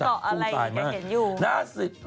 แล้วก็มีเกาะอะไรอยู่เข้าเห็นอยู่